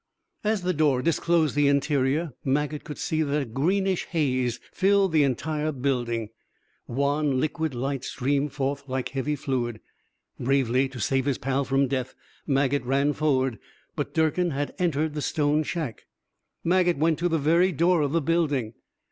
As the door disclosed the interior, Maget could see that a greenish haze filled the entire building. Wan liquid light streamed forth like heavy fluid. Bravely, to save his pal from death, Maget ran forward. But Durkin had entered the stone shack. Maget went to the very door of the building.